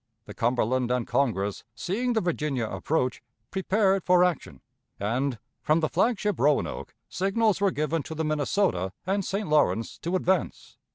The Cumberland and Congress, seeing the Virginia approach, prepared for action, and, from the flag ship Roanoke, signals were given to the Minnesota and St. Lawrence to advance.